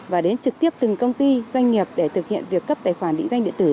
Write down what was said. và đến trực tiếp từng công ty doanh nghiệp để thực hiện việc cấp tài khoản định danh điện tử